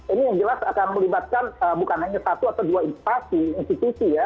ini yang jelas akan melibatkan bukan hanya satu atau dua institusi ya